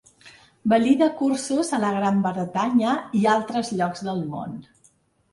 Valida cursos a la Gran Bretanya i altres llocs del món.